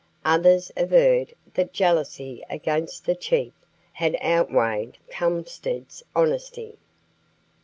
Others averred that jealousy against the chief had outweighed Kulmsted's honesty.